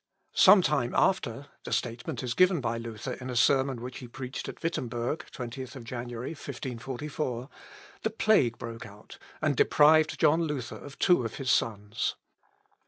Some time after, (the statement is given by Luther in a sermon which he preached at Wittemberg, 20th January 1544,) the plague broke out, and deprived John Luther of two of his sons.